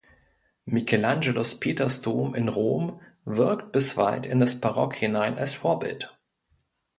Michelangelos Petersdom in Rom wirkt bis weit in das Barock hinein als Vorbild.